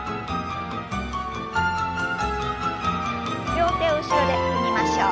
両手を後ろで組みましょう。